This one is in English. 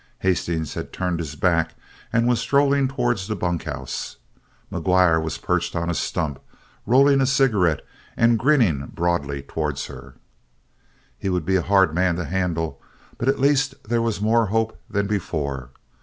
Hastings had turned his back and was strolling towards the bunkhouse. McGuire was perched on a stump rolling a cigarette and grinning broadly towards her. He would be a hard man to handle. But at least there was more hope than before.